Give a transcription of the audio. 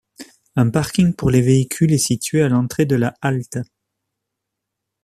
Un parking pour les véhicules est situé à l'entrée de la halte.